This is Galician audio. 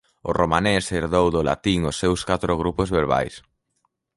O romanés herdou do latín os seus catro grupos verbais.